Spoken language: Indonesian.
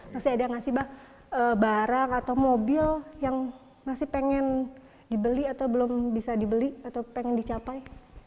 masih ada nggak sih mbak barang atau mobil yang masih pengen dibeli atau belum bisa dibeli atau pengen dicapai